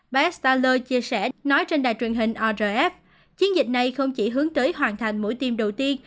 bas taler chia sẻ nói trên đài truyền hình orf chiến dịch này không chỉ hướng tới hoàn thành mũi tiêm đầu tiên